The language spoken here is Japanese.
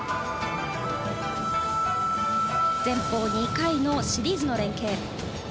前方２回のシリーズの連係。